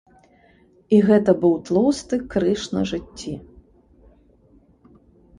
І гэта быў тлусты крыж на жыцці.